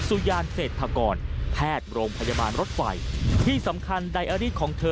ยานเศรษฐกรแพทย์โรงพยาบาลรถไฟที่สำคัญไดอารีสของเธอ